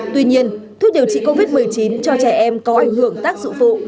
tuy nhiên thuốc điều trị covid một mươi chín cho trẻ em có ảnh hưởng tác dụng phụ